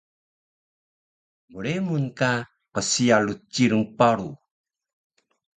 Mremun ka qsiya rcilung paru